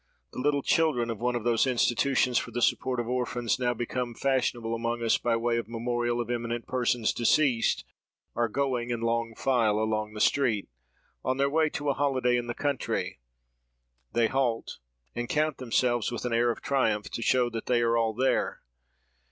The little children of one of those institutions for the support of orphans, now become fashionable among us by way of memorial of eminent persons deceased, are going, in long file, along the street, on their way to a holiday in the country. They halt, and count themselves with an air of triumph, to show that they are all there.